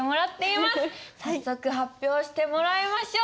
早速発表してもらいましょう。